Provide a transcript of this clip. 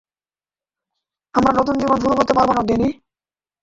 আমরা নতুন জীবন শুরু করতে পারবো না, ড্যানি।